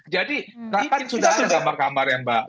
jadi sudah ada kamar kamar ya mbak